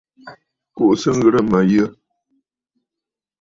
Kùʼùsə ŋghɨrə mə̀ yə̂!